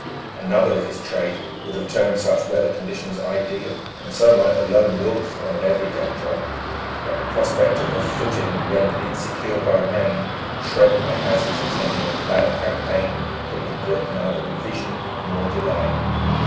Another of his trade would have termed such weather conditions ideal, and so might the Lone Wolf on an everyday job; but the prospect of a footing rendered insecure by rain trebled the hazards attending a plan of campaign that would brook neither revision nor delay.